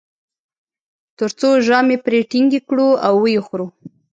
تر څو ژامې پرې ټینګې کړو او و یې خورو.